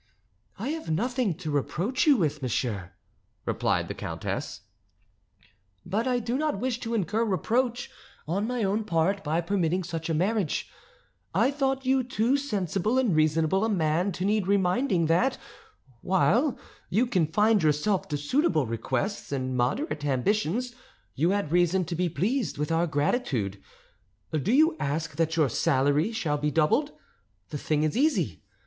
"I have nothing to reproach you with, monsieur," replied the countess: "but I do not wish to incur reproach on my own part by permitting such a marriage: I thought you too sensible and reasonable a man to need reminding that, while you confined yourself to suitable requests and moderate ambitions, you had reason to be pleased with our gratitude. Do you ask that your salary shall be doubled? The thing is easy.